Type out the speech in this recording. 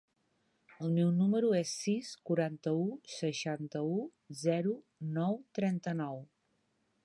El meu número es el sis, quaranta-u, seixanta-u, zero, nou, trenta-nou.